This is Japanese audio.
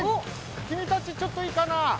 君たちちょっといいかな？